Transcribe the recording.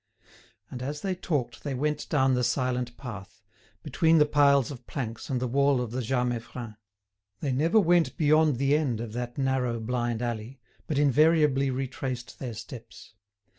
And as they talked they went down the silent path, between the piles of planks and the wall of the Jas Meiffren. They never went beyond the end of that narrow blind alley, but invariably retraced their steps.